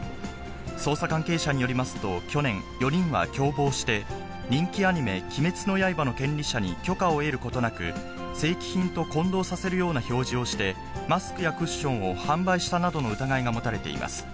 捜査関係者によりますと、去年、４人は共謀して人気アニメ、鬼滅の刃の権利者に許可を得ることなく、正規品と混同させるような表示をして、マスクやクッションを販売したなどの疑いが持たれています。